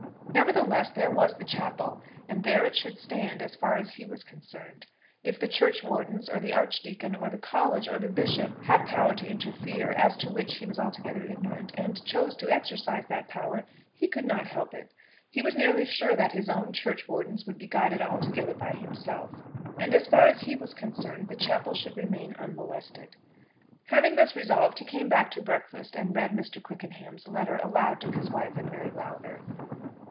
Nevertheless, there was the chapel, and there it should stand, as far as he was concerned. If the churchwardens, or the archdeacon, or the college, or the bishop had power to interfere, as to which he was altogether ignorant, and chose to exercise that power, he could not help it. He was nearly sure that his own churchwardens would be guided altogether by himself, and as far as he was concerned the chapel should remain unmolested. Having thus resolved he came back to breakfast and read Mr. Quickenham's letter aloud to his wife and Mary Lowther.